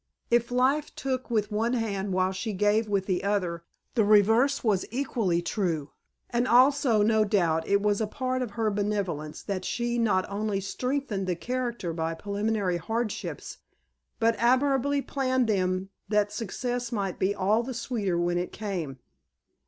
If Life took with one hand while she gave with the other, the reverse was equally true; and also no doubt it was a part of her beneficence that she not only strengthened the character by preliminary hardships, but amiably planned them that success might be all the sweeter when it came.